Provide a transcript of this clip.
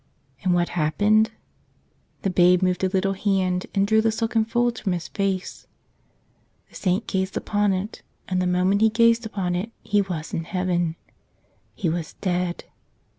And what happened? The Babe moved a little hand and drew the silken folds from His face. The saint gazed upon it; and the moment he gazed upon it he was in heaven. He was dead.